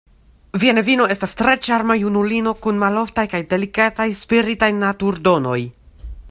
Via nevino estas tre ĉarma junulino kun maloftaj kaj delikataj spiritaj naturdonoj.